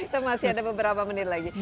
kita masih ada beberapa menit lagi